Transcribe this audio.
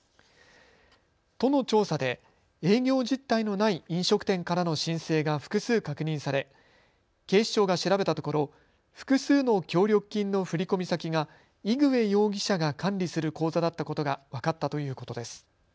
都の調査で営業実態のない飲食店からの申請が複数確認され、警視庁が調べたところ複数の協力金の振込先がイグウェ容疑者が管理する口座だったことが分かったということです。